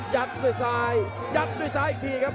ด้วยซ้ายยัดด้วยซ้ายอีกทีครับ